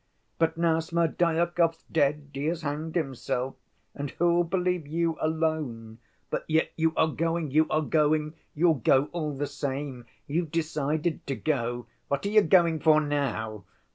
But now Smerdyakov's dead, he has hanged himself, and who'll believe you alone? But yet you are going, you are going, you'll go all the same, you've decided to go. What are you going for now?